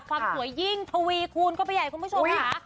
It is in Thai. ความสวยยิ่งทวีคูณเข้าไปใหญ่คุณผู้ชมค่ะ